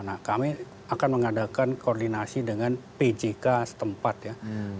nah kami akan mengadakan koordinasi dengan pjk setempat ya